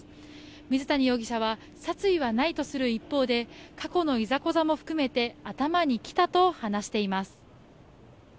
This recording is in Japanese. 水谷容疑者は殺意はないとする一方で過去のいざこざも含めて頭にきたと話しています。